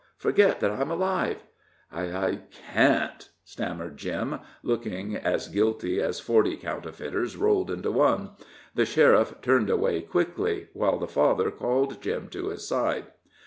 Forget that I'm alive." "I I can't," stammered Jim, looking as guilty as forty counterfeiters rolled into one. The sheriff turned away quickly, while the father called Jim to his side.